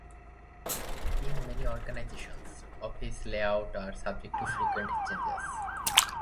In many organizations, office layouts are subject to frequent changes.